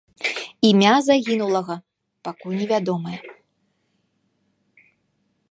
Імя загінулага пакуль невядомае.